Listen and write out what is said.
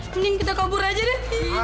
mending kita kabur aja deh